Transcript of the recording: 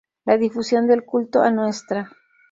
La difusión del culto a Ntra.